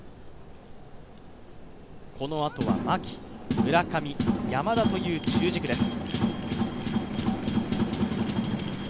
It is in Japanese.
このあとは牧、村上、山田という中軸です。